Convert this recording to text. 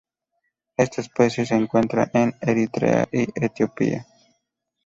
Esta especie se encuentra en Eritrea y Etiopía.